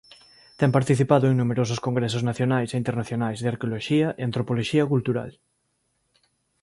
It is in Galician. Ten participado en numerosos congresos nacionais e internacionais de Arqueoloxía e Antropoloxía Cultural.